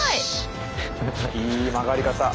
いい曲がり方。